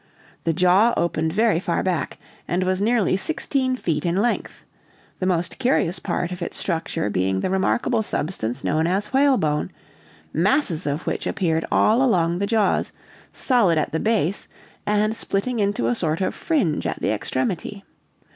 The jaw opened very far back, and was nearly sixteen feet in length, the most curious part of its structure being the remarkable substance known as whalebone, masses of which appeared all along the jaws, solid at the base, and splitting into a sort of fringe at the extremity.